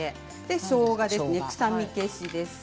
しょうがです、臭み消しです。